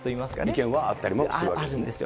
意見はあったりもするわけであるんですよ。